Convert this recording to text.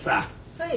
はい。